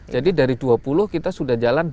jadi dari dua puluh kita sudah jalan dua belas